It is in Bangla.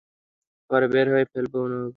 পরে বের করে ফেলবো উনাকে এখন কী করবো, খুরশেদ ভাই?